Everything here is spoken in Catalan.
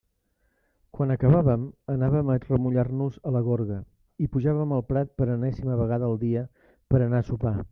Quan acabàvem, anàvem a remullar-nos a la gorga, i pujàvem el prat per enèsima vegada al dia per a anar a sopar.